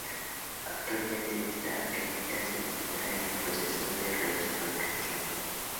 Actualmente, esta ermita se encuentra en proceso de restauración.